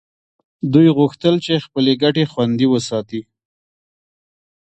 دوی غوښتل چې خپلې ګټې خوندي وساتي